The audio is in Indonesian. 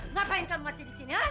ngapain kamu masih disini